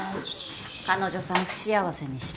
彼女さん不幸せにして。